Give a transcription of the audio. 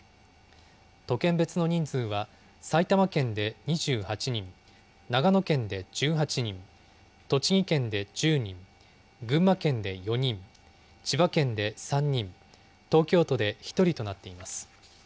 都県別の人数は、埼玉県で２８人、長野県で１８人、栃木県で１０人、群馬県で４人、千葉県で３人、東京都で１人となっています。